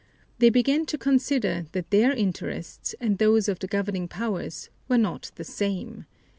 They began to consider that their interests and those of the governing powers were not the same.